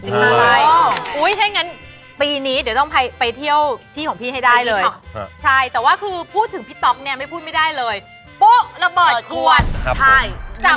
ถ้างั้นปีนี้เดี๋ยวต้องไปเที่ยวที่ของพี่ให้ได้เลยใช่แต่ว่าคือพูดถึงพี่ต๊อกเนี่ยไม่พูดไม่ได้เลยปุ๊บระเบิดขวดใช่